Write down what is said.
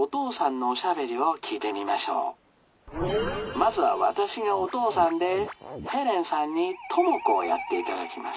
まずは私がお父さんでヘレンさんに朋子をやっていただきます。